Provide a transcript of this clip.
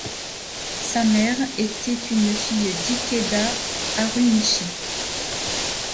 Sa mère était une fille d'Ikeda Harumichi.